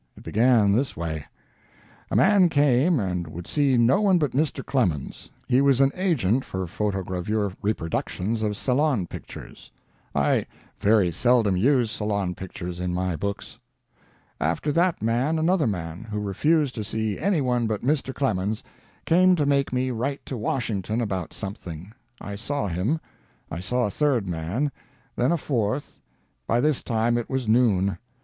It began this way:— "A man came and would see no one but Mr. Clemens.[Pg 179] He was an agent for photogravure reproductions of Salon pictures. I very seldom use Salon pictures in my books. "After that man another man, who refused to see any one but Mr. Clemens, came to make me write to Washington about something. I saw him. I saw a third man, then a fourth. By this time it was noon.